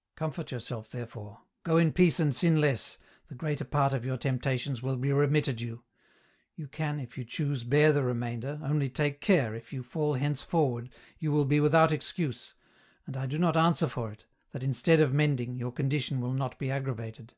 " Comfort yourself therefore ; go in peace and sin less, the greater part of your temptations will be remitted you ; you can, if you choose, bear the remainder, only take care, if you fall henceforward, you will be without excuse, and I do not answer for it, that instead of mending, your condition will not be aggravated."